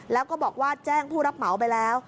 แล้วก็บอกว่าแจ้งผู้รับเหมาไปแล้ว